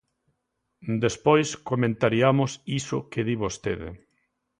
Despois comentariamos iso que di vostede.